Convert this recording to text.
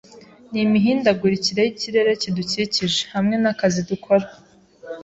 n’imihindagurikire y’ikirere kidukikije, hamwe n’akazi dukora.